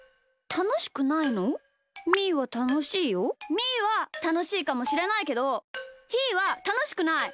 みーはたのしいかもしれないけどひーはたのしくない！